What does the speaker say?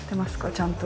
ちゃんと。